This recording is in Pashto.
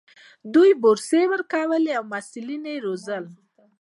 دوی بورسونه ورکوي او محصلین روزي.